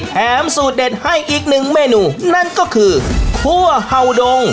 สูตรเด็ดให้อีกหนึ่งเมนูนั่นก็คือคั่วเห่าดง